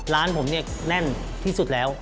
ร้านผมเนี่ยแน่นที่สุดแล้ว